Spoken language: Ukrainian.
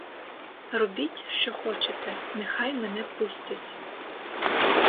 Робіть, що хочете, нехай мене пустять!